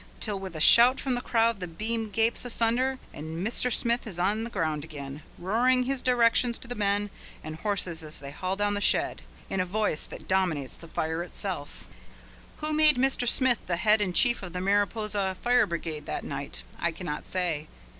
Till with a shout from the crowd the beam gapes asunder, and Mr. Smith is on the ground again, roaring his directions to the men and horses as they haul down the shed, in a voice that dominates the fire itself. Who made Mr. Smith the head and chief of the Mariposa fire brigade that night, I cannot say.